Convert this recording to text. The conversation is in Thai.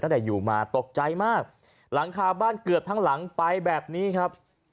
ตั้งแต่อยู่มาตกใจมากหลังคาบ้านเกือบทั้งหลังไปแบบนี้ครับ